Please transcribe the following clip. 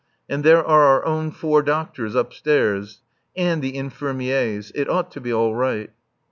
And there are our own four doctors upstairs. And the infirmiers. It ought to be all right.